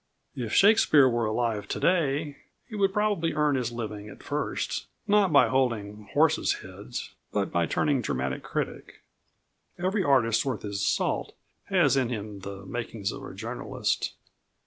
If Shakespeare were alive to day he would probably earn his living at first, not by holding horses' heads, but by turning dramatic critic. Every artist worth his salt has in him the makings of a journalist.